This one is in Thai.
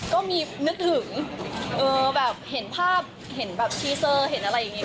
ก็มีนึกถึงแบบเห็นภาพเห็นแบบทีเซอร์เห็นอะไรอย่างนี้